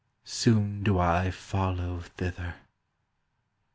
Soon do I follow thither!